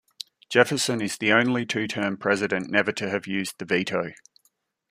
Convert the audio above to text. Jefferson is the only two-term president never to have used the veto.